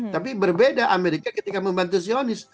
tapi berbeda amerika ketika membantu sionis